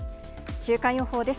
週間予報です。